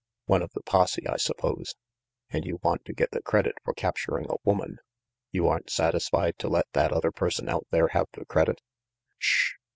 One of the posse, I suppose? And you want to get the credit for capturing a woman. You aren't satisfied to let that other person out there have the credit "Sh h!